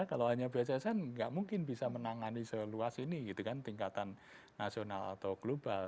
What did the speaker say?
kalau hanya bssn nggak mungkin bisa menangani seluas ini gitu kan tingkatan nasional atau global